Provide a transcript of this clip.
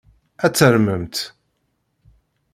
Ad tarmemt.